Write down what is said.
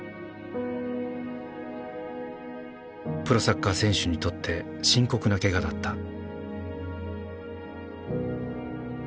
プロサッカー選手にとって深刻なけがだった。